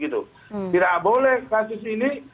tidak boleh kasus ini